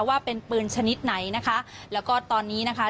ว่าเป็นปืนชนิดไหนนะคะแล้วก็ตอนนี้นะคะ